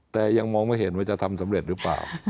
แต่ยังมองไม่เห็นว่าจะทำสำเร็จหรือเปล่า